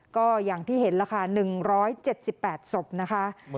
ก็อย่างที่เห็นแล้วค่ะ๑๗๘ศพนะคะ